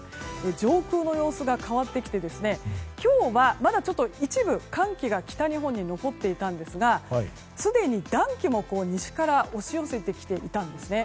上空の様子が変わってきて今日はまだ一部寒気が北日本に残っていたんですがすでに暖気も西から押し寄せてきていたんですね。